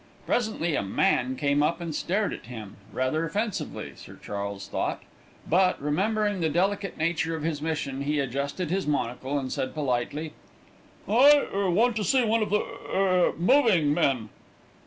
Presently a man came up and stared at him, rather offensively Sir Charles thought; but, remembering the delicate nature of his mission, he adjusted his monocle and said politely: "I er want to see one of the er er moving men."